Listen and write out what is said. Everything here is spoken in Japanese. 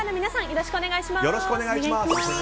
よろしくお願いします。